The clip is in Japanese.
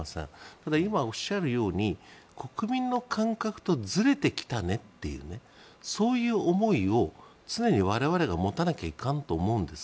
ただ、今おっしゃるように国民の感覚とずれてきたねというそういう思いを常に我々が持たなきゃいかんと思うんです。